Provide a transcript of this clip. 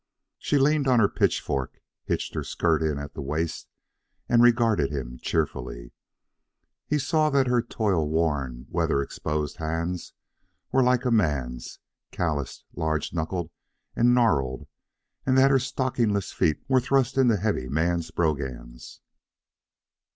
She leaned on her pitchfork, hitched her skirt in at the waist, and regarded him cheerfully. He saw that her toil worn, weather exposed hands were like a man's, callused, large knuckled, and gnarled, and that her stockingless feet were thrust into heavy man's brogans.